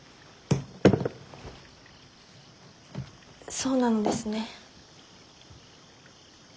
そうなのですね。